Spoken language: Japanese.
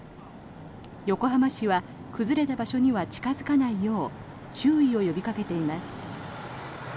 横浜市は崩れた場所には近付かないよう注意を呼びかけています。